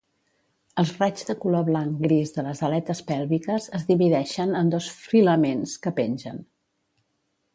Els raigs de color blanc- gris de les aletes pèlviques es divideixen en dos filaments que pengen.